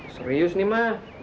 serius nih ma